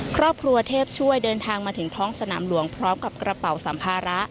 ครอบครัวเทพช่วยเดินทางมาถึงท้องสนามหลวงพร้อมกับกระเป๋าสัมภาระ